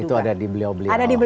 itu ada di beliau beliau